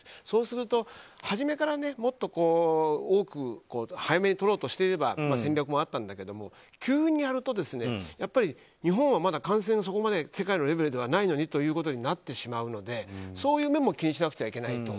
そうするともっと多く早めに取ろうとしていればという戦略もあったんだけど急にやると日本はまだ感染、そこまで世界のレベルではないのでということになってしまうのでその面も気にしなくちゃいけない。